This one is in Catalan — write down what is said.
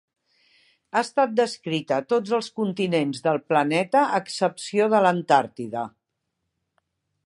Ha estat descrita a tots els continents del planeta a excepció de l'Antàrtida.